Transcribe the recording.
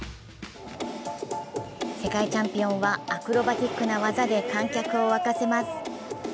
世界チャンピオンはアクロバティックな技で観客を沸かせます。